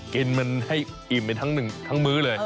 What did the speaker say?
กินมันให้อิ่มไปทั้งมื้อเลย